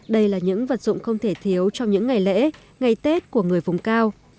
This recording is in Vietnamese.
đây là những vật dụng không thể thiếu trong những ngày lễ ngày tết của người vùng cao